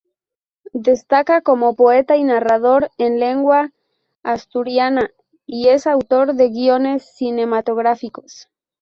Destaca como poeta y narrador en lengua asturiana y es autor de guiones cinematográficos.